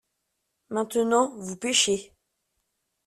maintenant vous pêchez.